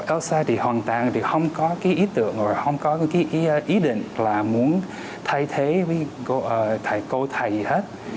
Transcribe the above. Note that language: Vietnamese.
elsa thì hoàn toàn không có cái ý tưởng không có cái ý định là muốn thay thế thầy cô thầy hết